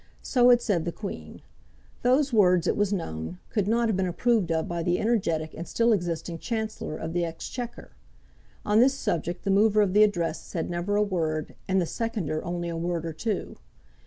So had said the Queen. Those words, it was known, could not have been approved of by the energetic and still existing Chancellor of the Exchequer. On this subject the mover of the Address said never a word, and the seconder only a word or two.